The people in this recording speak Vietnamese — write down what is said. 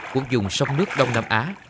cuộc dùng sông nước đông nam á